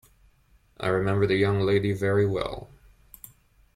I remember the young lady very well.